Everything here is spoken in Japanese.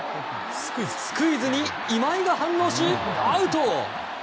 スクイズに今井が反応しアウト。